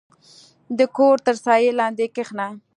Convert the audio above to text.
• د کور تر سایې لاندې کښېنه.